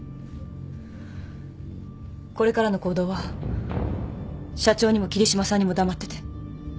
これからの行動は社長にも桐嶋さんにも黙ってて。